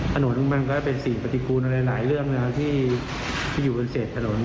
ถ่านถนนก็เป็นสิ่งปฏิกูลอะไรเรื่องที่อยู่เรื่องเสร็จถนน